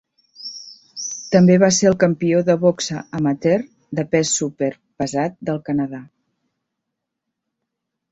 També va ser el campió de boxa amateur de pes superpesat del Canadà.